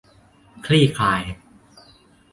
คลี่คลาย